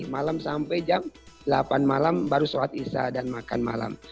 malam sampai jam delapan malam baru sholat isya dan makan malam